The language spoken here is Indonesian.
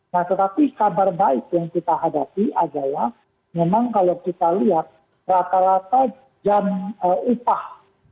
nah tetapi kabar baik yang kita hadapi adalah memang kalau kita lihat rata rata jam upah